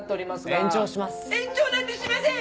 延長なんてしません！